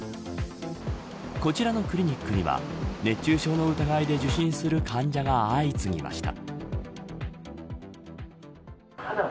こちらのクリニックには熱中症の疑いで受診する患者が相次ぎました。